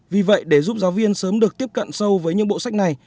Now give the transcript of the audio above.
vì vậy để giúp giáo viên sớm được tiếp cận sâu với những bộ sách này